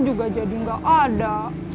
juga jadi gak ada